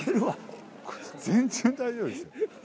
全然大丈夫です。